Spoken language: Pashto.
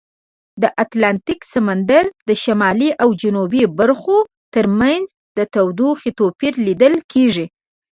د اتلانتیک سمندر د شمالي او جنوبي برخو ترمنځ د تودوخې توپیر لیدل کیږي.